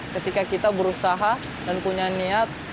ketika kita berusaha dan punya niat